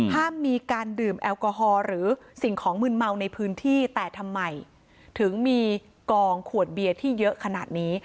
ห้ามมีการดื่มแอลกอฮอล์หรือสิ่งของมืนเมาในพื้นที่แต่ทำไมถึงมีกองขวดเบียร์ที่เยอะขนาดนี้